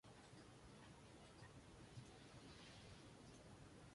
Embedded computers are as the same as wearable computers.